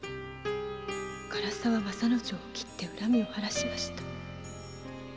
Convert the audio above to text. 唐沢政之丞を斬って恨みを晴らしました。